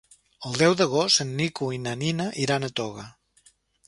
El deu d'agost en Nico i na Nina iran a Toga.